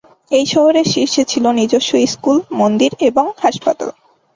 এই শহরের শীর্ষে ছিল নিজস্ব স্কুল, মন্দির এবং হাসপাতাল।